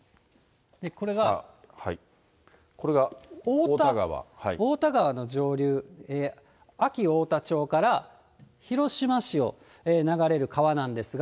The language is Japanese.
これが太田川の上流、安芸太田町から広島市を流れる川なんですが。